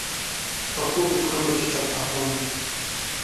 پخو فکرونو کې تفاهم وي